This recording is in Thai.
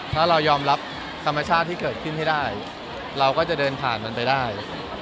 ถ้าเรายอมรับธรรมชาติที่เกิดขึ้นให้ได้เราก็จะเดินผ่านมันไปได้